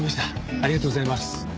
ありがとうございます。